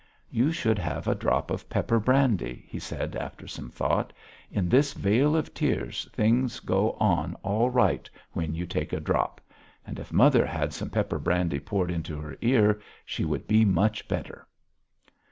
"You should have a drop of pepper brandy...." he said after some thought. "In this vale of tears things go on all right when you take a drop. And if mother had some pepper brandy poured into her ear she would be much better."